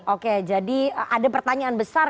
oke jadi ada pertanyaan besar